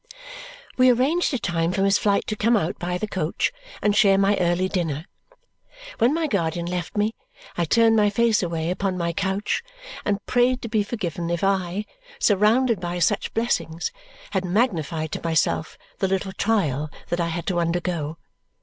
We arranged a time for Miss Flite to come out by the coach and share my early dinner. When my guardian left me, I turned my face away upon my couch and prayed to be forgiven if I, surrounded by such blessings, had magnified to myself the little trial that I had to undergo.